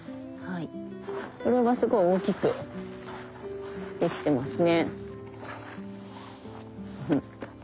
これはすごい大きく出来てますね。